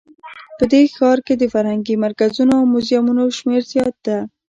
په دې ښار کې د فرهنګي مرکزونو او موزیمونو شمیر زیات ده